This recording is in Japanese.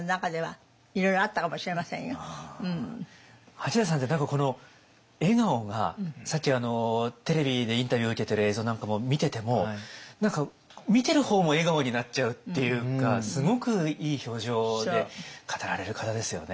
八大さんって何かこの笑顔がさっきテレビでインタビュー受けてる映像なんかも見てても何か見てる方も笑顔になっちゃうっていうかすごくいい表情で語られる方ですよね。